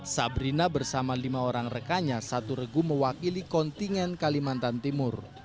sabrina bersama lima orang rekannya satu regu mewakili kontingen kalimantan timur